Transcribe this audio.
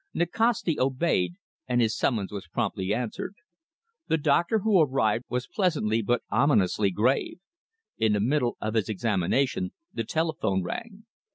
Nikasti obeyed, and his summons was promptly answered. The doctor who arrived was pleasantly but ominously grave. In the middle of his examination the telephone rang.